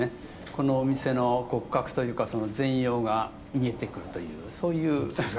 このお店の骨格というか全容が見えてくるというそういう楽しみ方です。